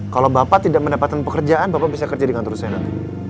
kalau bapak tidak mendapatkan pekerjaan bapak bisa kerja dengan terusnya nanti